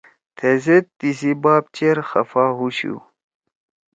تیزید تیِسی باپ چیر خفا ہُوشُو